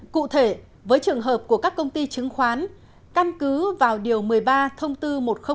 cụ thể với trường hợp của các công ty chứng khoán căn cứ vào điều một mươi ba thông tư một trăm linh